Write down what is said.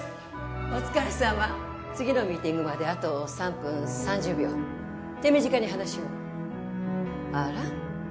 お疲れさま次のミーティングまであと３分３０秒手短に話をあら？